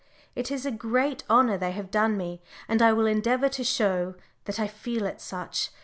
It is a great honour they have done me, and I will endeavour to show that I feel it such.